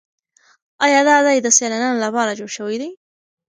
ایا دا ځای د سیلانیانو لپاره جوړ شوی دی؟